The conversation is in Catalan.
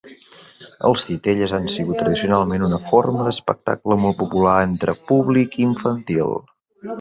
Els titelles han sigut tradicionalment una forma d'espectacle molt popular entre públic infantil.